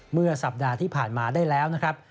เมื่อสัปดาห์ที่ผ่านมาได้แล้วนะครับ